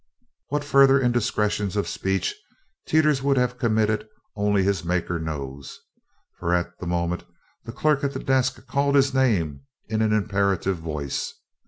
What further indiscretions of speech Teeters would have committed only his Maker knows, for at the moment the clerk at the desk called his name in an imperative voice.